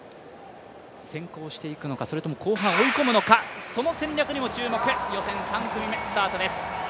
先行していくのか、それとも後半追い込むのかその戦略にも注目、予選３組目、スタートです。